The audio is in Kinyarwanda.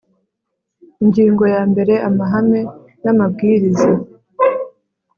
Ingingo ya mbere Amahame n amabwiriza